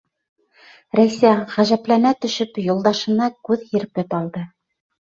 Рәйсә, ғәжәпләнә төшөп, юлдашына күҙ һирпеп алды.